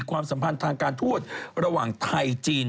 ความสัมพันธ์ทางการทูตระหว่างไทยจีน